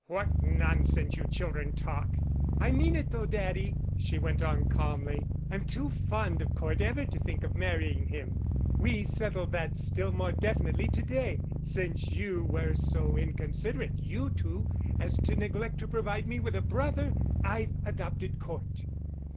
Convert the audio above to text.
"What nonsense you children talk!" "I mean it, though, daddy," she went on calmly. "I'm too fond of Cort ever to think of marrying him. We settled that still more definitely to day. Since you were so inconsiderate, you two, as to neglect to provide me with a brother, I've adopted Cort."